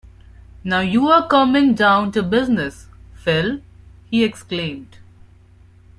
Now you're coming down to business, Phil, he exclaimed.